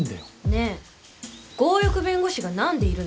ねえ強欲弁護士が何でいるの？